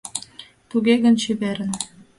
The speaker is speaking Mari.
Туге гын чеверын!